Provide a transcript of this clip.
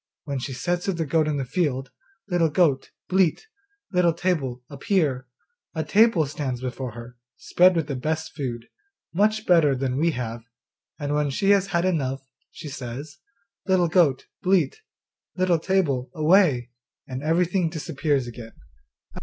When she says to the goat in the field, "Little goat, bleat, Little table, appear," a table stands before her, spread with the best food, much better than we have; and when she has had enough, she says, "Little goat, bleat, Little table, away," and everything disappears again.